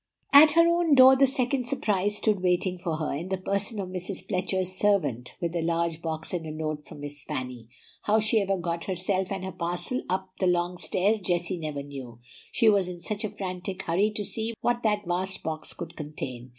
At her own door the second surprise stood waiting for her, in the person of Mrs. Fletcher's servant with a large box and a note from Miss Fanny. How she ever got herself and her parcel up the long stairs Jessie never knew, she was in such a frantic hurry to see what that vast box could contain.